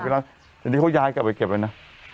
อันนี้เขาย้ายกลับไปเก็บไว้นะ